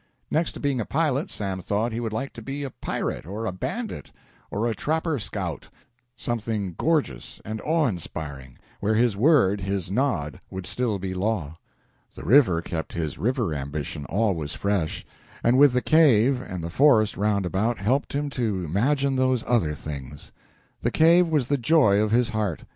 Next to being a pilot, Sam thought he would like to be a pirate or a bandit or a trapper scout something gorgeous and awe inspiring, where his word, his nod, would still be law. The river kept his river ambition always fresh, and with the cave and the forest round about helped him to imagine those other things. The cave was the joy of his heart.